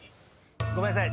ごめんなさい。